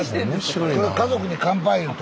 これ「家族に乾杯」いうて。